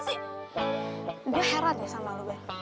gue heran ya sama lo bel